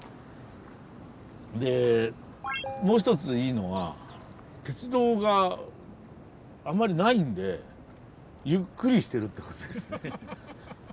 でもう一ついいのは鉄道があまりないんでゆっくりしてるってことですね。